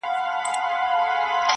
وایی تم سه خاطرې دي راته وایی -